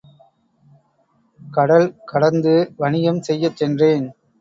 கடல் கடந்து வணிகம் செய்யச் சென்றேன்.